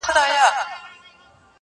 د هدو لورې تا د خلکو په مخ کار وتړی,